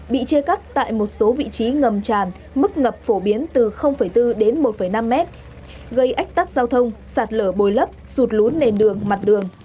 bị chia cắt tại một số vị trí ngầm tràn mức ngập phổ biến từ bốn đến một năm mét gây ách tắc giao thông sạt lở bồi lấp sụt lún nền đường mặt đường